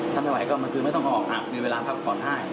ถ้าไม่ไหวก็มันคือไม่ต้องออกมีเวลาพักปอนด์ได้